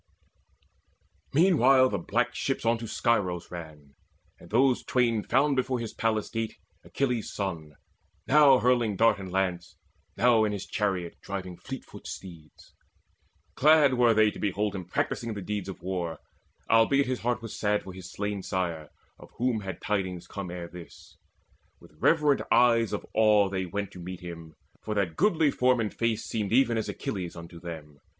Meanwhile the black ship on to Scyros ran; And those twain found before his palace gate Achilles' son, now hurling dart and lance, Now in his chariot driving fleetfoot steeds. Glad were they to behold him practising The deeds of war, albeit his heart was sad For his slain sire, of whom had tidings come Ere this. With reverent eyes of awe they went To meet him, for that goodly form and face Seemed even as very Achilles unto them.